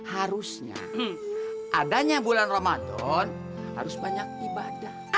harusnya adanya bulan ramadan harus banyak ibadah